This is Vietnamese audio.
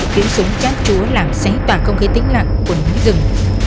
tiếng súng chát chúa làm xấy tạc không khí tĩnh lặng của nước rừng